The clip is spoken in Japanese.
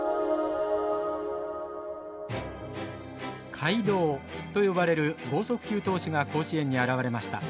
怪童と呼ばれる剛速球投手が甲子園に現れました。